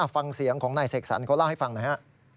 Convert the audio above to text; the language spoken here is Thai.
ฟังเสียงของนายเสกสรรเขาเล่าให้ฟังหน่อยฮะ